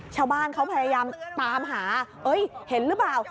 ชาวบ้านเขาพยายามตามหาเห็นหรือเปล่า